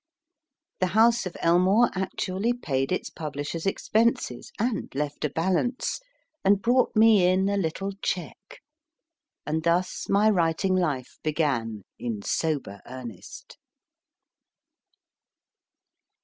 The House of Elmore actually paid its publishers expenses, and left a balance, and brought me in a little cheque ; and thus my writing life began in sober earnest.